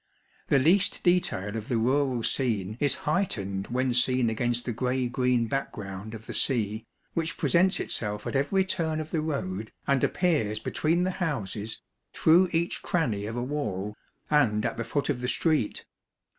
The least detail of the rural scene is heightened when seen against the gray green background of the sea, which pre sents itself at every turn of the road, and appears between the houses, through each cranny of a wall, and at the foot of the street.